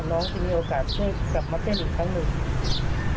น้องจึงมีโอกาสช่วยกลับมาเต้นอีกครั้งหนึ่ง